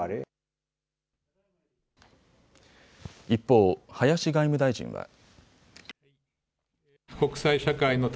一方、林外務大臣は。